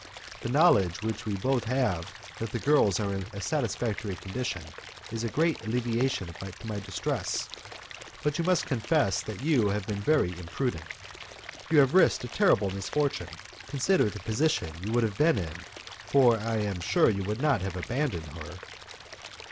The knowledge which we both have that the girls are in a satisfactory condition is a great alleviation to my distress, but you must confess that you have been very imprudent. You have risked a terrible misfortune; consider the position you would have been in, for I am sure you would not have abandoned her.